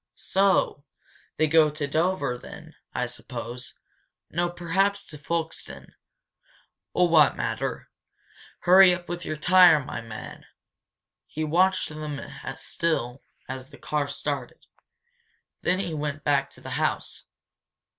"So! They go to Dover, then, I suppose no, perhaps to Folkestone oh, what matter? Hurry up with your tire, my man!" He watched them still as the car started. Then he went back to the house.